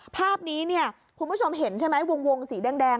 ภาพนี้เนี่ยคุณผู้ชมเห็นใช่ไหมวงสีแดง